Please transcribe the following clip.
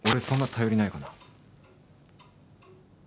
そんな頼りないかな？